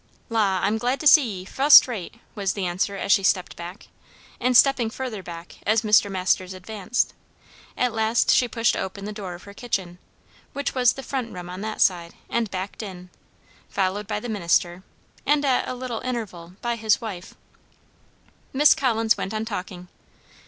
"La! I'm glad to see ye, fust rate," was the answer as she stepped back; and stepping further back as Mr. Masters advanced, at last she pushed open the door of her kitchen, which was the front room on that side, and backed in, followed by the minister and, at a little interval, by his wife. Miss Collins went on talking.